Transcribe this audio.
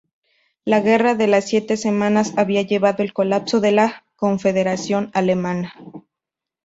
La Guerra de las Siete Semanas había llevado al colapso de la Confederación Alemana.